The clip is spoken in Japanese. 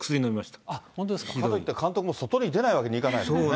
監督も外に出ないわけにいかないですもんね。